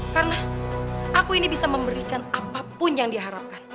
karena aku ini bisa memberikan apapun yang diharapkan